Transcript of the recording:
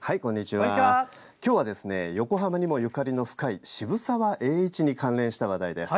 今日は横浜にもゆかりが深い渋沢栄一に関連した話題です。